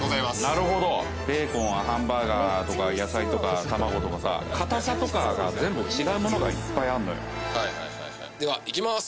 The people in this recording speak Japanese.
なるほどベーコンとか野菜とか卵とかさ硬さとかが全部違うものがいっぱいあんのよではいきます